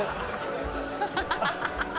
ハハハハ。